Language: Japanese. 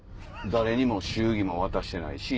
誰にも祝儀も渡してないし。